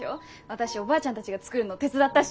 私おばあちゃんたちが作るの手伝ったし。